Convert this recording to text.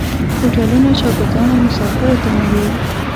هوټلو شاګردانو مسافرو ته نه ویل.